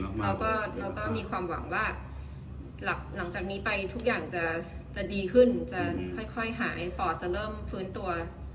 เราก็มีความหวังว่าหลังจากนี้ไปทุกอย่างจะดีขึ้นจะค่อยหายปอดจะเริ่มฟื้นตัว